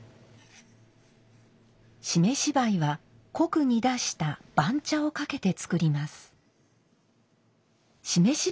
湿し灰は濃く煮出した番茶をかけて作ります。